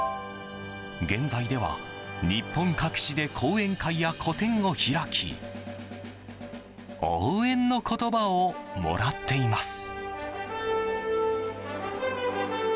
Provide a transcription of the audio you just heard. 現在では日本各地で講演会や個展を開き応援の言葉をもらっています。